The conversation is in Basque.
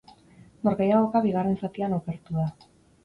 Norgehiagoka bigarren zatian okertu da.